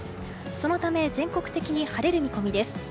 そのため、全国的に晴れる見込みです。